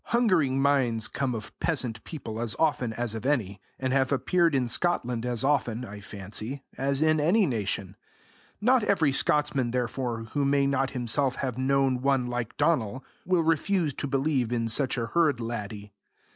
Hungering minds come of peasant people as often as of any, and have appeared in Scotland as often, I fancy, as in any nation; not every Scotsman, therefore, who may not himself have known one like Donal, will refuse to believe in such a herd laddie.